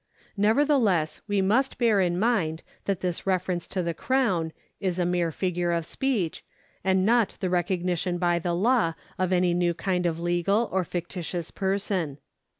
Nevertheless we must bear in mind that this reference to the Crown is a mere figure of speech, and not the recog nition by the law of any new kind of legal or fictitious person.